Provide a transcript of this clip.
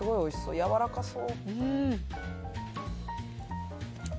やわらかそう！